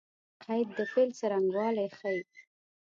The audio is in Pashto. قید د فعل څرنګوالی ښيي.